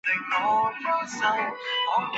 赖歇瑙被葬于柏林荣军公墓。